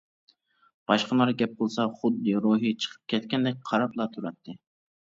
باشقىلار گەپ قىلسا خۇددى روھى چىقىپ كەتكەندەك قاراپلا تۇراتتى.